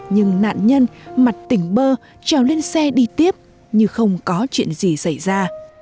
nhưng nạn nhân mặt tỉnh bơ trèo lên xe đi tiếp như không có chuyện gì xảy ra